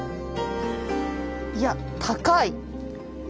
いや高い。